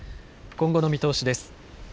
今後の見通しです。